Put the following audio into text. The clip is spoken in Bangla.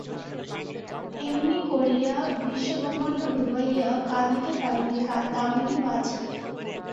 এমনি করিয়া বিশ্বব্রহ্মাণ্ড ডুবাইয়া কাঁদিতে পারিলে দামিনী বাঁচিত।